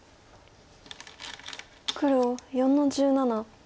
黒４の十七。